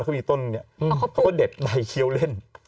เขามีต้นเนี่ยเขาก็เด็ดใบเคี้ยวเล่น